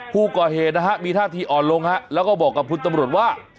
ผู้ก่อเหตุนะฮะมีท่าทีอ่อนลงฮะแล้วก็บอกกับคุณตำรวจว่า